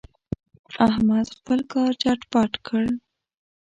احمد خپل کار چټ پټ کړ.